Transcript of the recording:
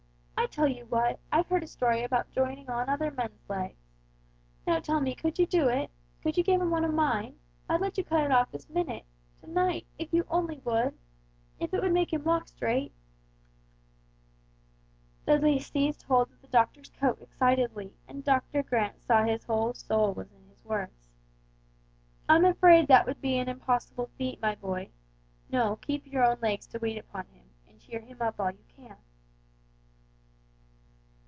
I tell you what! I've heard a story about joining on other men's legs. Now tell me, could you do it? Could you give him one of mine? I'd let you cut it off this minute to night, if you only would. If it would make him walk straight!" Dudley seized hold of the doctor's coat excitedly, and Doctor Grant saw his whole soul was in his words. "I'm afraid that would be an impossible feat, my boy. No keep your own legs to wait upon him, and cheer him up all you can."